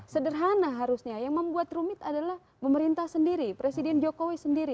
sederhana harusnya yang membuat rumit adalah pemerintah sendiri presiden jokowi sendiri